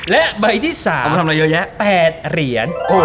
และใบที่สาม๘เหรียญ